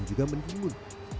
dan juga mendimun